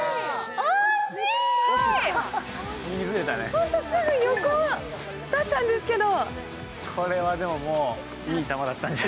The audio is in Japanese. ほんとすぐ横だったんですけど。